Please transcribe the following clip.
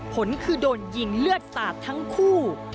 ผลคือโดนยิงเลือดสาดทั้งคู่